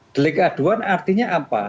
delik aduan artinya apa